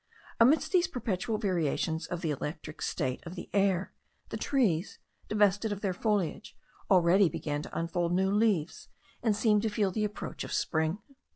Amidst these perpetual variations of the electric state of the air, the trees, divested of their foliage, already began to unfold new leaves, and seemed to feel the approach of spring.